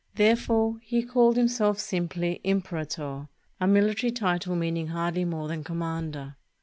Therefore he called himself sim ply "imperator," a military title meaning hardly more than commander.